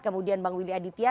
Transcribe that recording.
kemudian bang willy aditya